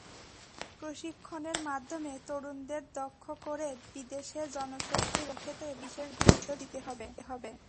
প্রশিক্ষণের মাধ্যমে তরুণদের দক্ষ করে বিদেশে জনশক্তি রপ্তানির ক্ষেত্রে বিশেষ গুরুত্ব দিতে হবে।